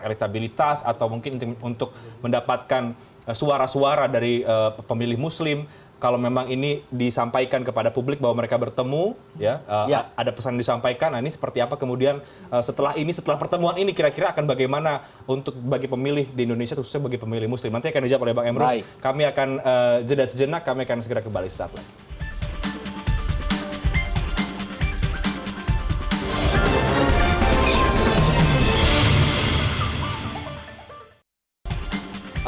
elitabilitas atau mungkin untuk mendapatkan suara suara dari pemilih muslim kalau memang ini disampaikan kepada publik bahwa mereka bertemu ya ada pesan disampaikan ini seperti apa kemudian setelah ini setelah pertemuan ini kira kira akan bagaimana untuk bagi pemilih di indonesia khususnya bagi pemilih muslim nanti akan dijawab oleh bang emrus kami akan jeda sejenak kami akan segera kembali sesaat lain